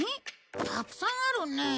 たくさんあるね。